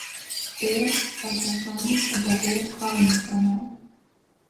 او و کسانی که با او کار میکنند